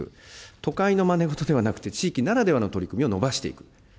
都会のまねごとではなくて、地域ならではの取り組みを伸ばしていく。